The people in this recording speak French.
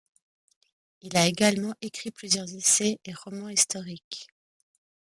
Il a également écrit plusieurs essais et romans historiques.